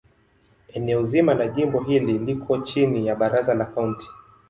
Eneo zima la jimbo hili liko chini ya Baraza la Kaunti.